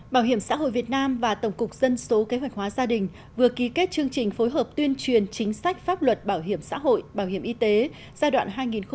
bảo hiểm xã hội việt nam và tổng cục dân số kế hoạch hóa gia đình vừa ký kết chương trình phối hợp tuyên truyền chính sách pháp luật bảo hiểm xã hội bảo hiểm y tế giai đoạn hai nghìn một mươi bốn hai nghìn hai mươi